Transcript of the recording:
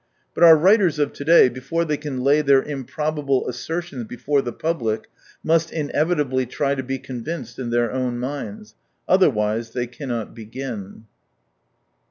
But our writers of to day, before they can lay their improbable assertions before the public, must inevitably try to be convinced in their own minds. Otherwise they cannot begin.